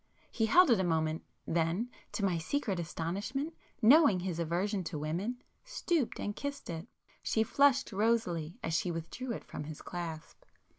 He held it a moment,—then, to my secret astonishment, knowing his aversion to women, stooped and kissed it. She flushed rosily as she withdrew it from his clasp.